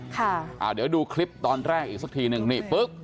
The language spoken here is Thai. ค่ะอ่าเดี๋ยวดูคลิปตอนแรกอีกสักทีหนึ่งนี่ปุ๊บ